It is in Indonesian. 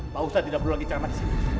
pak ustadz tidak perlu lagi cermat disini